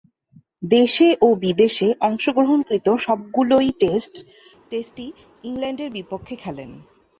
দেশে ও বিদেশে অংশগ্রহণকৃত সবগুলো টেস্টই ইংল্যান্ডের বিপক্ষে খেলেন।